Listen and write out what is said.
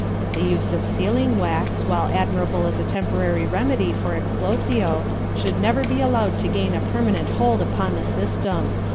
The use of sealing wax, while admirable as a temporary remedy for Explosio, should never be allowed to gain a permanent hold upon the system.